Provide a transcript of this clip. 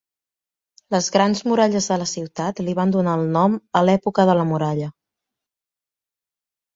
Les grans muralles de la ciutat li van donar el nom a la època de la muralla.